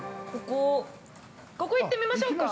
ここ行ってみましょうか。